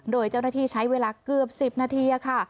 โดยเจ้าหน้าที่ใช้เวลาเกือบ๑๐นาทีค่ะ